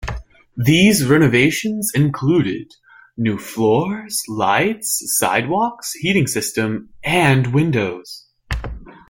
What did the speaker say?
These renovations included new floors, lights, sidewalks, heating system, and windows.